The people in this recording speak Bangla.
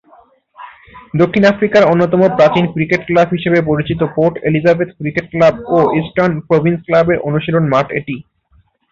দক্ষিণ আফ্রিকার অন্যতম প্রাচীন ক্রিকেট ক্লাব হিসেবে পরিচিত পোর্ট এলিজাবেথ ক্রিকেট ক্লাব ও ইস্টার্ন প্রভিন্স ক্লাবের অনুশীলন মাঠ এটি।